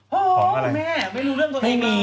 ของอะไรไม่มี